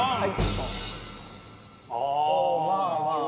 まあまあまあ。